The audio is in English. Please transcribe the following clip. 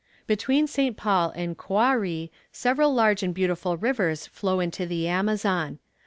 Between St. Paul and Coari several large and beautiful rivers flow into the Amazon.